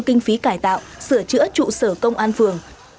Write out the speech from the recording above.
kinh phí cải tạo sửa chữa trụ sở công an phường